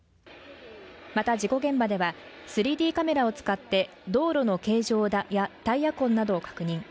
また事故現場では３Ｄカメラを使って道路の形状やタイヤ痕などを確認